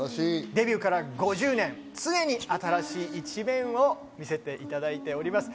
デビューから５０年、常に新しい一面を見せていただいております。